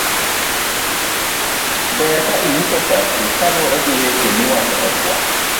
ber ka inyiso pachi kaluwore gi weche miwacho e twak